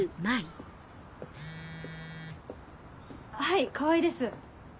はい川合です。